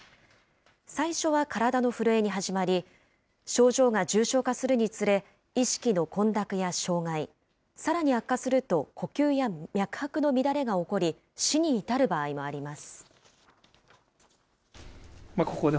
最初は体の震えに始まり、症状が重症化するにつれ、意識の混濁や障害、さらに悪化すると呼吸や脈拍の乱れが起こり、死に至る場合もあります。